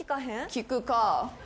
聞くか。